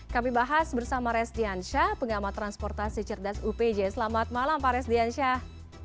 kami bahas bersama resdiansyah pengamat transportasi cerdas upj selamat malam pak resdiansyah